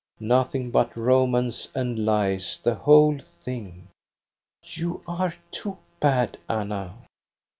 "Nothing but romance and lies, the whole thing I *' "You are too bad, Anna."